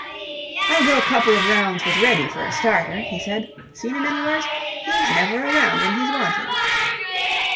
"I'll go a couple of rounds with Reddy for a starter," he said. "Seen him anywheres? He's never around when he's wanted."